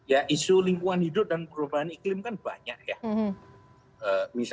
ya isu lingkungan hidup dan perubahan iklim kan banyak ya